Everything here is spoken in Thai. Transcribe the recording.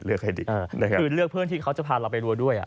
ให้ดีคือเลือกเพื่อนที่เขาจะพาเราไปรัวด้วย